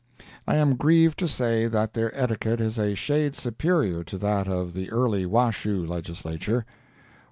I am grieved to say that their etiquette is a shade superior to that of the early Washoe Legislature.